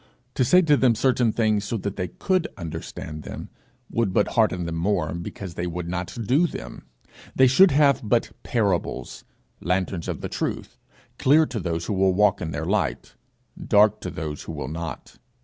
To say to them certain things so that they could understand them, would but harden them more, because they would not do them; they should have but parables lanterns of the truth, clear to those who will walk in their light, dark to those who will not.